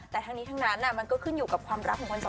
แต่ทั้งนี้ทั้งนั้นมันก็ขึ้นอยู่กับความรักของคนสองคน